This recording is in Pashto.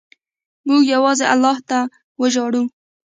موږ یوازې الله ته وژاړو.